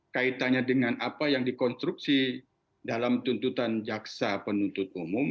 saya tanya dengan apa yang dikonstruksi dalam tuntutan jaksa penutup umum